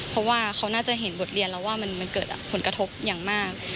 เพราะว่าเขาน่าจะเห็นบทเรียนแล้วว่ามันเกิดผลกระทบอย่างมาก